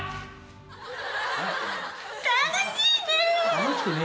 楽しいね！